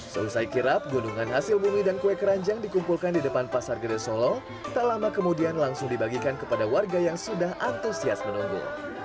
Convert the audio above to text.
selesai kirap gunungan hasil bumi dan kue keranjang dikumpulkan di depan pasar gede solo tak lama kemudian langsung dibagikan kepada warga yang sudah antusias menunggu